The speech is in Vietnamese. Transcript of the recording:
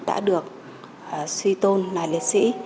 đã được suy tôn là liệt sĩ